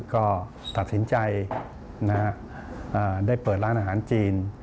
ก็ตัดสินใจได้เปิดร้านอาหารจีน